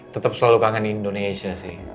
tetap selalu kangen indonesia sih